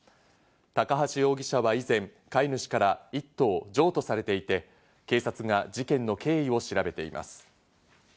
高橋容疑者は以前、飼い主から１頭譲渡されていて、警察が事件の経緯を調べています。